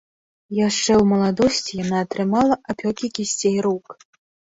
Яшчэ ў маладосці яна атрымала апёкі кісцей рук.